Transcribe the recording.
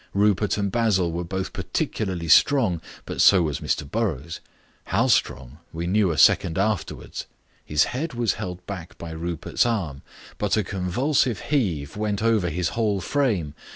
Rupert and Basil were both particularly strong, but so was Mr Burrows; how strong, we knew a second afterwards. His head was held back by Rupert's arm, but a convulsive heave went over his whole frame.